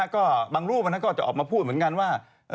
ก็บางรูปอันนั้นก็จะออกมาพูดเหมือนกันว่า